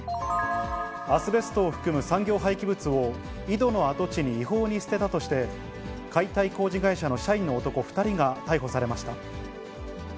アスベストを含む産業廃棄物を、井戸に跡地に違法に捨てたとして、解体工事会社の社員の男２人が逮捕されました。